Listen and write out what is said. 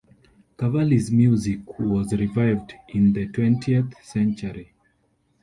Cavalli's music was revived in the twentieth century.